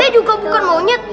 saya juga bukan monyet